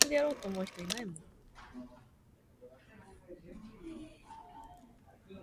설렁탕을 사다 놓았는데 왜 먹지를 못하니, 왜 먹지를 못하니?